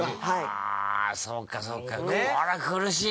はあそうかそうか。